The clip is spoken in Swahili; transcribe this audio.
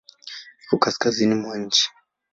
Iko kaskazini mwa nchi.